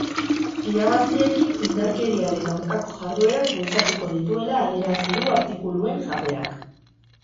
Irabaziekin indarkeriaren aurkako jarduerak bultzatuko dituela adierazi du artikuluen jabeak.